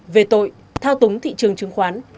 về tội thao túng thị trường chứng khoán